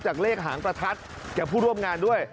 เลขหางประทัดแก่ผู้ร่วมงานด้วย